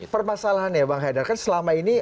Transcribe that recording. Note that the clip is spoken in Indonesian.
permasalahan ya bang heder kan selama ini